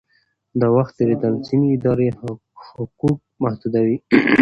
د وخت تېرېدل ځینې اداري حقوق محدودوي.